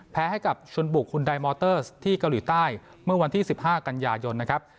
แพ้ให้กับชุนบุกคุณไดมอเตอร์สที่เกาหลีใต้เมื่อวันที่๑๕กันยายนนะครับ